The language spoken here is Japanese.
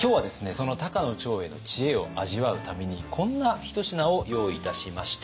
その高野長英の知恵を味わうためにこんな一品を用意いたしました。